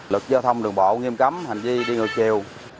lực giao thông đường bộ nghiêm cấm hành vi đi ngược chiều